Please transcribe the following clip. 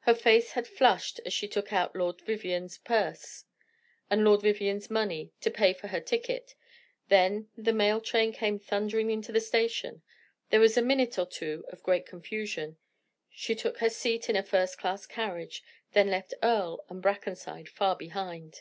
Her face had flushed as she took out Lord Vivianne's purse and Lord Vivianne's money to pay for her ticket; then the mail train came thundering into the station: there was a minute or two of great confusion. She took her seat in a first class carriage, then left Earle and Brackenside far behind.